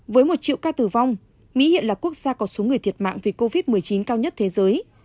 với một triệu ca tử vong mỹ hiện là quốc gia có số người thiệt mạng vì covid một mươi chín cao nhất thế giới